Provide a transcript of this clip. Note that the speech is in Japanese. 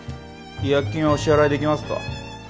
違約金はお支払いできますか？